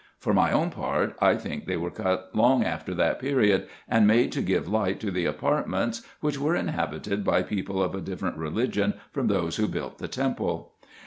For my own part, I think they were cut long after that period, and made to give light to the apartments, which were inhabited by people of IX EGYPT, NUBIA, &c. 57 a different religion from those who built the temple.